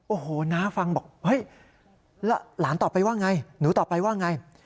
โอ้โหน้าฟังบอกเฮ้ยแล้วหลานตอบไปว่าไงหนูตอบไปว่าไง